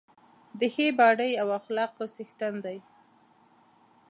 د ښې باډۍ او اخلاقو څښتن دی.